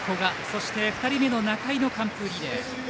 そして、２人目の仲井の完封リレー。